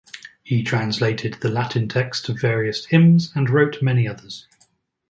He translated the Latin texts of various hymns and wrote many others.